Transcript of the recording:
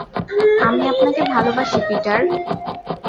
আমি আপনাকে ভালোবাসি, পিটার।